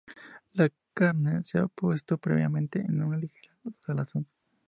La carne se ha puesto previamente en una ligera salazón.